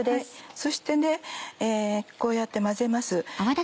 そしてこうやって混ぜます。